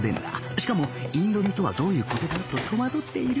しかも「インド煮とはどういう事だ？」と戸惑っている